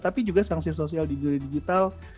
tapi juga sanksi sosial di dunia digital